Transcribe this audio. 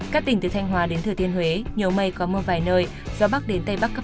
các tỉnh từ thanh hóa đến thừa thiên huế nhiều mây có mưa vài nơi gió bắc đến tây bắc cấp năm